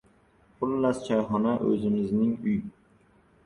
Xullas, choyxona - o‘zimizning uy.